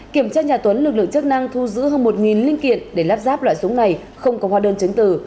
kiểm tra nhà tuấn lực lượng chức năng thu giữ hơn một linh kiện để lắp ráp loại súng này không có hóa đơn chứng từ